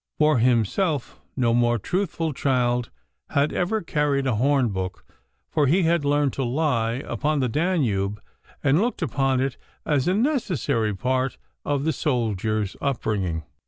For himself, no more truthful child had ever carried a horn book, but he had learned to lie upon the Danube, and looked upon it as a necessary part of the soldier's upbringing.